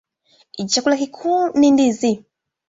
Chakula kikuu ni ndizi.